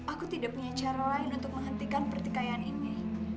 aku tidak punya cara lain untuk menghentikan pertikaian ini